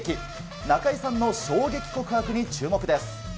中井さんの衝撃告白に注目です。